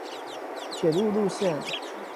鐵路路線